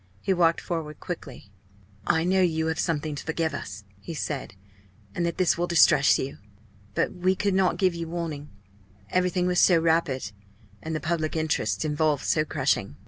He walked forward quickly. "I know you have something to forgive us," he said, "and that this will distress you. But we could not give you warning. Everything was so rapid, and the public interests involved so crushing."